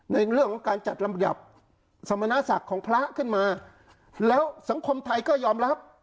ในเรื่องของการจัดลำดับสมณศักดิ์ของพระขึ้นมาแล้วสังคมไทยก็ยอมรับ